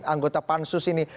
anggota pansus ini